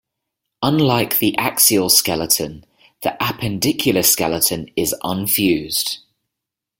Unlike the axial skeleton, the appendicular skeleton is unfused.